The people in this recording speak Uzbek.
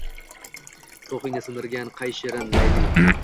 Ruhingni sindirgan qay Shirin, Layli